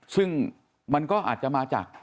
ซึ่งมันก็อาจจะมาจาก